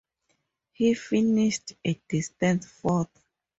He finished a distant fourth.